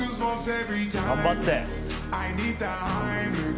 頑張って！